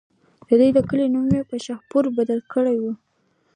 د دې کلي نوم پۀ شاهپور بدل کړو